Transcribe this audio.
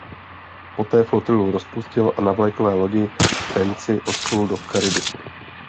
Poté flotilu rozpustil a na vlajkové lodi Fancy odplul do Karibiku.